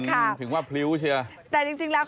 ถึงว่าผิวใช่มั้ย